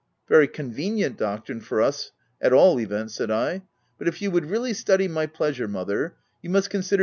"Very convenient doctrine, for us at all events," said I ; u but if you would really study my pleasure, Mother, you must consider OP WILDFELL HALL.